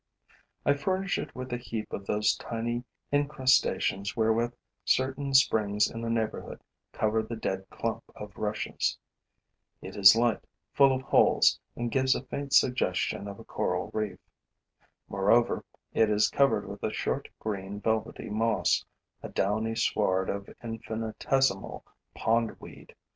I furnish it with a heap of those limy incrustations wherewith certain springs in the neighborhood cover the dead clump of rushes. It is light, full of holes and gives a faint suggestion of a coral reef. Moreover, it is covered with a short, green, velvety moss, a downy sward of infinitesimal pond weed.